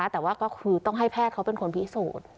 แต่ว่าก็คือต้องให้แพทย์เขาเป็นคนพิสูจน์